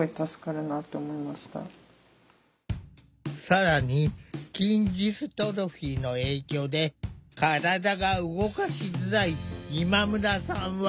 更に筋ジストロフィーの影響で体が動かしづらい今村さんは。